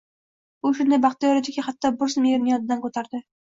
U shunday baxtiyor ediki, hatto bir zum erini yodidan ko`tardi